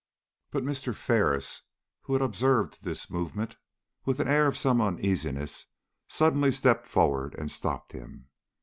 But Mr. Ferris, who had observed this movement with an air of some uneasiness, suddenly stepped forward and stopped him.